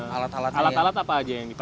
alat alat apa aja